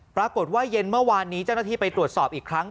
ปรากฏว่าเย็นเมื่อวานนี้เจ้าหน้าที่ไปตรวจสอบอีกครั้ง